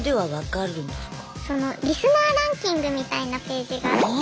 そのリスナーランキングみたいなページがあって